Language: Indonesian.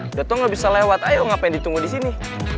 udah tau gak bisa lewat ayo ngapain ditunggu disini